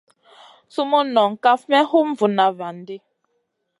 Sumun nong kaf may hum vuna van di.